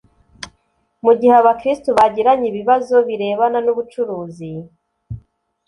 Mu gihe abakristo bagiranye ibibazo birebana n ubucuruzi